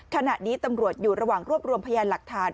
ขณะนี้ตำรวจอยู่ระหว่างรวบรวมพยานหลักฐาน